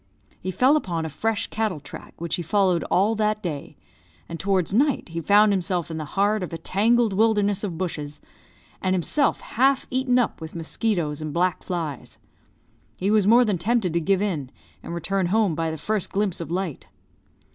He fell upon a fresh cattle track, which he followed all that day; and towards night he found himself in the heart of a tangled wilderness of bushes, and himself half eaten up with mosquitoes and black flies. He was more than tempted to give in, and return home by the first glimpse of light.